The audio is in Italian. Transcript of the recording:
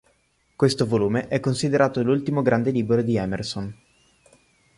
Questo volume è considerato l'ultimo grande libro di Emerson.